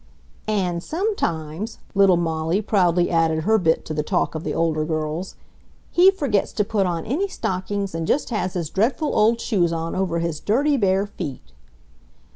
"And sometimes," little Molly proudly added her bit to the talk of the older girls, "he forgets to put on any stockings and just has his dreadful old shoes on over his dirty, bare feet."